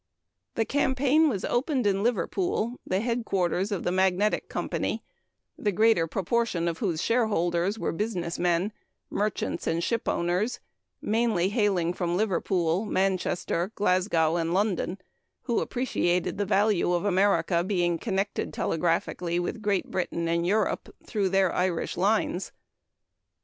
The campaign was opened in Liverpool, the headquarters of the "Magnetic" Company, the greater proportion of whose shareholders were business men merchants and shipowners mainly hailing from Liverpool, Manchester, Glasgow, and London, who appreciated the value of America being connected telegraphically with Great Britain and Europe through their Irish lines.